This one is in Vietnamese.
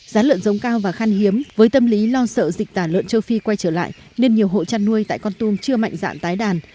giá lợn giống cao và khăn hiếm với tâm lý lo sợ dịch tả lợn châu phi quay trở lại nên nhiều hộ chăn nuôi tại con tum chưa mạnh dạng tái đàn